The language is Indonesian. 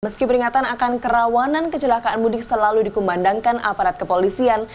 meski peringatan akan kerawanan kecelakaan mudik selalu dikumandangkan aparat kepolisian